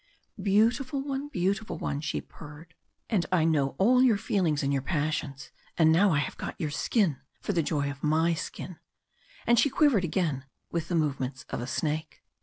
"Beautiful one! beautiful one!" she purred. "And I know all your feelings and your passions, and now I have got your skin for the joy of my skin!" And she quivered again with the movements of a snake.